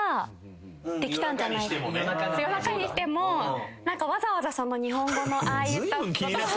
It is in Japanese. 「夜中」にしてもわざわざその日本語のああいった。